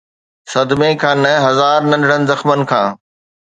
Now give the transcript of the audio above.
صدمي کان نه، هزار ننڍڙن زخمن کان.